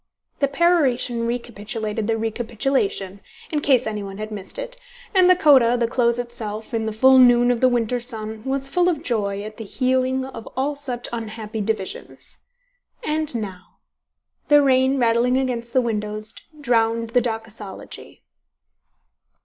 The peroration recapitulated the recapitulation, in case anyone had missed it, and the coda, the close itself, in the full noon of the winter sun, was full of joy at the healing of all such unhappy divisions. And now ... The rain rattling against the windows drowned the Doxology.